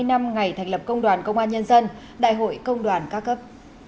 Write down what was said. bảy mươi năm ngày thành lập công đoàn công an nhân dân đại hội công đoàn ca cấp